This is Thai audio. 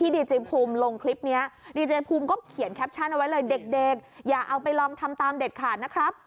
เด็กอย่าเอาไปลองทำตามเด็ดขาดนะครับ